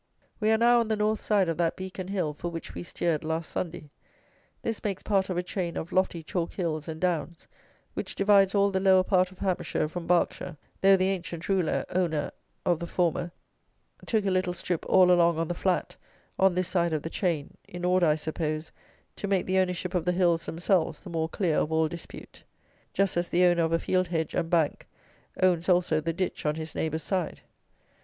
We are now on the north side of that Beacon Hill for which we steered last Sunday. This makes part of a chain of lofty chalk hills and downs, which divides all the lower part of Hampshire from Berkshire, though the ancient ruler, owner, of the former took a little strip all along on the flat, on this side of the chain, in order, I suppose, to make the ownership of the hills themselves the more clear of all dispute; just as the owner of a field hedge and bank owns also the ditch on his neighbour's side.